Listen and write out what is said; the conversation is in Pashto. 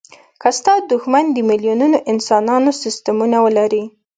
که ستا دوښمن د میلیونونو انسانانو سستمونه ولري.